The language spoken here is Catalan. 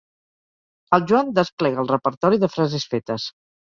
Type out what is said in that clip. El Joan desplega el repertori de frases fetes.